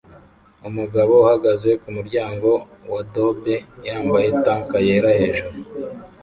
Umugabo uhagaze kumuryango wa adobe yambaye tank yera hejuru